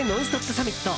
サミット。